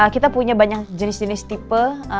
kita punya banyak jenis jenis tipe